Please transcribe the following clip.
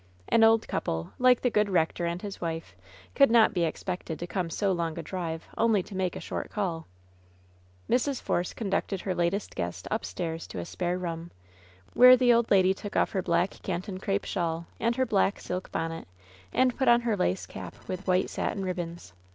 An old couple, like the good rector and his wife, could not be expected to come so long a drive only to make a short call. Mrs. Force conducted her latest guest upstairs to a spare room, where the old lady took off her black Can ton crape shawl, and her black silk bonnet, and put on her lace cap with white satin ribbons.